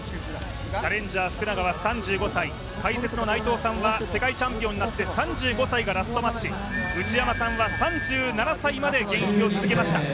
チャレンジャー福永は３５歳、解説の内藤さんは世界チャンピオンになって３５歳がラストマッチ内山さんは３７歳まで現役を続けました。